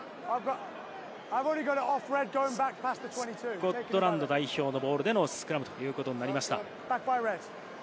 スコットランド代表のボールでのスクラムということになりました。